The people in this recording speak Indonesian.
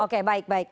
oke baik baik